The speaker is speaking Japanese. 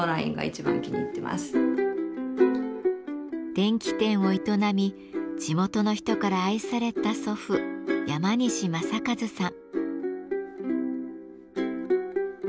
電気店を営み地元の人から愛された祖父・山西正一さん。